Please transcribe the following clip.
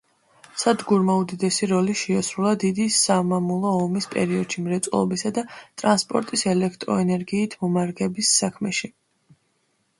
სადგურმა უდიდესი როლი შეასრულა დიდი სამამულო ომის პერიოდში მრეწველობისა და ტრანსპორტის ელექტროენერგიით მომარაგების საქმეში.